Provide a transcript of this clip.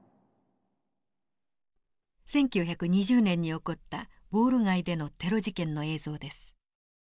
１９２０年に起こったウォール街でのテロ事件の映像です。